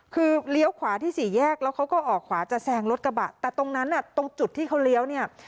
คือเลี้ยวขวาที่สี่แยกแล้วเขาก็ออกขวาจะแซงรถกระบะแต่ตรงนั้นน่ะตรงจุดที่เขาเลี้ยวเนี่ย